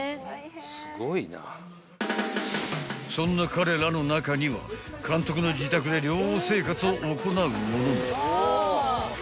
［そんな彼らの中には監督の自宅で寮生活を行う者も］